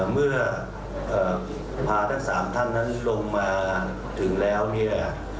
เมื่อพาทั้ง๓ท่านนั้นลงมาถึงแล้วเนี่ย